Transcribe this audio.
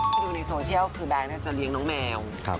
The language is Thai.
ไปดูในโซเชียลคือแบงค์จะเลี้ยงน้องแมว